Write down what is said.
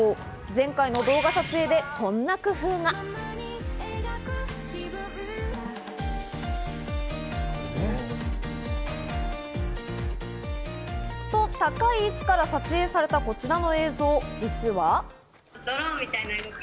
前回の動画撮影でこんな工夫が。と、高い位置から撮影されたすごいよね。